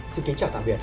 xin kính chào tạm biệt